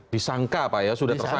disangka pak ya sudah tersangka